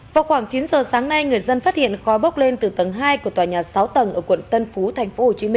vào khoảng chín giờ sáng nay người dân phát hiện khói bốc lên từ tầng hai của tòa nhà sáu tầng ở quận tân phú tp hcm